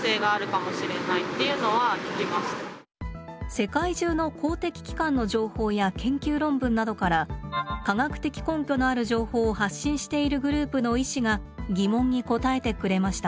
世界中の公的機関の情報や研究論文などから科学的根拠のある情報を発信しているグループの医師が疑問に答えてくれました。